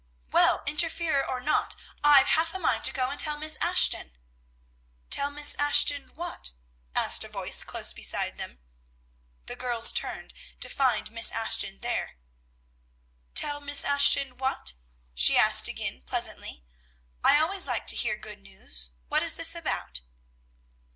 "Well, interferer or not, I've half a mind to go and tell Miss Ashton." "Tell Miss Ashton what?" asked a voice close beside them. The girls turned, to find Miss Ashton there. "Tell Miss Ashton what?" she asked again pleasantly; "I always like to hear good news. What is this about?"